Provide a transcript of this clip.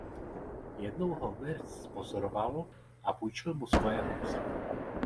Jednou ho Wirth zpozoroval a půjčil mu svoje housle.